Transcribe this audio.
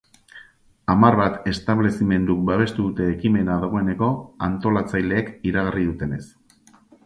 Hamar bat establezimenduk babestu dute ekimena dagoeneko, antolatzaileek iragarri dutenez.